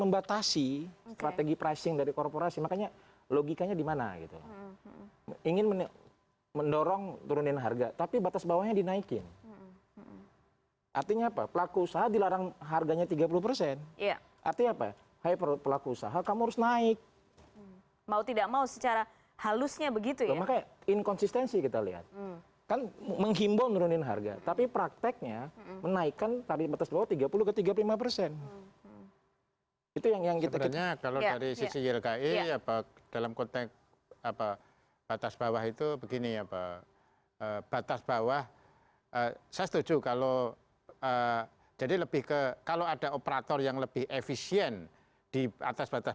batas bawah saya setuju kalau jadi lebih ke kalau ada operator yang lebih efisien di atas batas